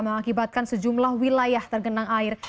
mengakibatkan sejumlah wilayah tergenang air